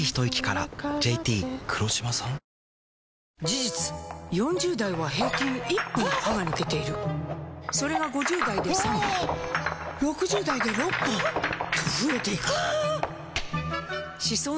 事実４０代は平均１本歯が抜けているそれが５０代で３本６０代で６本と増えていく歯槽